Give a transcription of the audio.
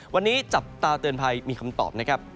วันนี้จับตาเตือนภัยมีคำตอบนะครับ